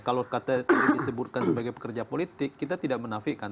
kalau kata disebutkan sebagai pekerja politik kita tidak menafikan